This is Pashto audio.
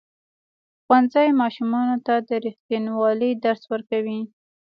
ښوونځی ماشومانو ته د ریښتینولۍ درس ورکوي.